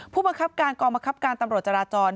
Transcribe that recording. ผู้บังคับการกองบังคับการตำรวจจราจร